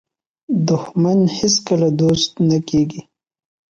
دښمن هیڅکله دوست نه کېږي